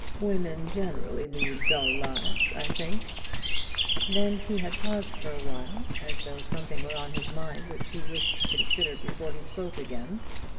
"Women generally lead dull lives, I think." Then he had paused for a while, as though something were on his mind which he wished to consider before he spoke again.